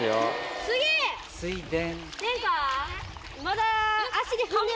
水田。